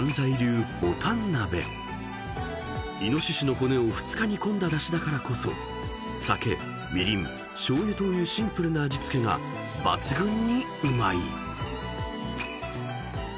［猪の骨を２日煮込んだだしだからこそ酒みりんしょうゆというシンプルな味付けが抜群にうまい］